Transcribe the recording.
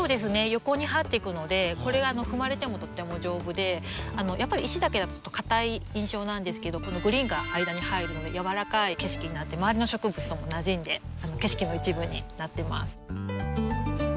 横にはってくのでこれ踏まれてもとっても丈夫でやっぱり石だけだとかたい印象なんですけどこのグリーンが間に入るのでやわらかい景色になって周りの植物ともなじんで景色の一部になってます。